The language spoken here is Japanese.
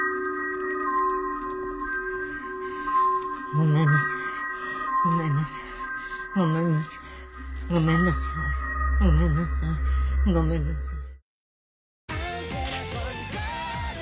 ごめんなさいごめんなさいごめんなさいごめんなさいごめんなさいごめんなさい。